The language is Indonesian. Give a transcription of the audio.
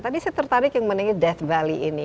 tadi saya tertarik yang menurut saya death valley ini